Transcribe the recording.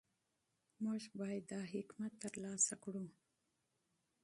موږ باید دا حکمت ترلاسه کړو.